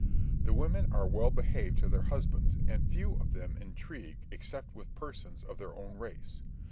The women are well behaved to their husbands, and few of them intrigue except with persons of their own race.